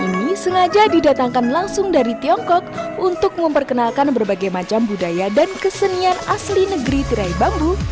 ini sengaja didatangkan langsung dari tiongkok untuk memperkenalkan berbagai macam budaya dan kesenian asli negeri tirai bambu